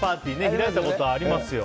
開いたことはありますよ。